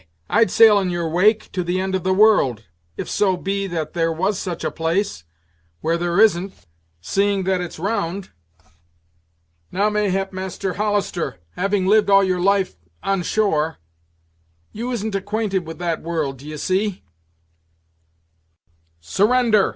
I'd sail in your wake, to the end of the world, if so be that there was such a place, where there isn't, seeing that it's round. Now mayhap, Master Hollister, having lived all your life on shore, you isn't acquainted that the world, d'ye see." "Surrender!"